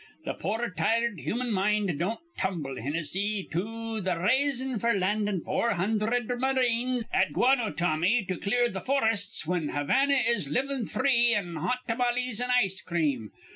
Th' poor, tired human mind don't tumble, Hinnissy, to th' raison f'r landin' four hundherd marines at Guanotommy to clear th' forests, whin Havana is livin' free on hot tamales an' ice cream.